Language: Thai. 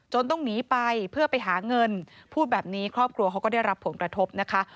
ต้องหนีไปเพื่อไปหาเงินพูดแบบนี้ครอบครัวเขาก็ได้รับผลกระทบนะคะ